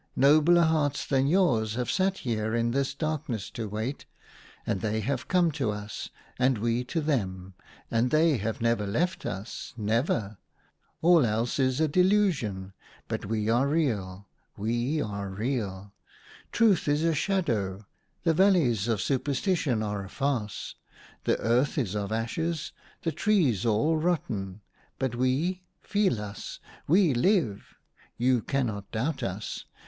Nobler hearts than yours have sat here in this darkness to wait, and they have come to us and we to them ; and they have never left us, never. All else is a delusion, but we are real, we are real. Truth is a shadow ; the valleys of superstition are a farce ; the earth is of ashes, the trees all rotten ; but we — feel us — we live ! You cannot doubt us.